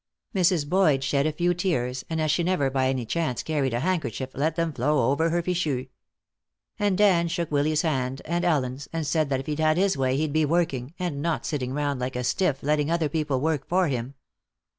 Mrs. Boyd shed a few tears, and as she never by any chance carried a handkerchief, let them flow over her fichu. And Dan shook Willy's hand and Ellen's, and said that if he'd had his way he'd be working, and not sitting round like a stiff letting other people work for him.